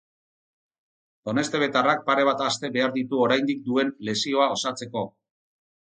Doneztebetarrak pare bat aste behar ditu oraindik duen lesioa osatzeko.